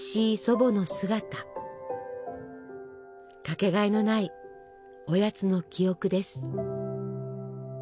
掛けがえのないおやつの記憶です。